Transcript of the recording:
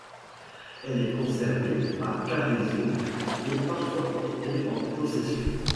Elle est conservée à Carrizo et parfois portée en procession.